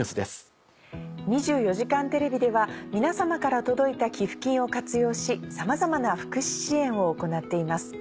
『２４時間テレビ』では皆様から届いた寄付金を活用しさまざまな福祉支援を行っています。